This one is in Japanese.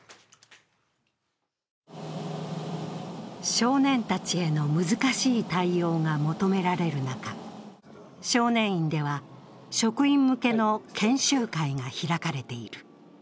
少年たちへの難しい対応が求められる中少年院では、職員向けの研修会が開かれている。